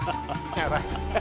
やばい。